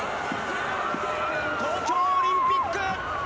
東京オリンピック